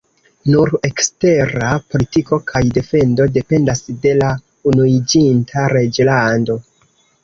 Nur ekstera politiko kaj defendo dependas de la Unuiĝinta Reĝlando.